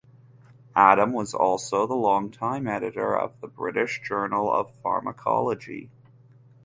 Adam was also the longtime editor of the British Journal of Pharmacology.